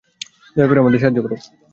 দয়া করে আমাদের সাহায্য করো!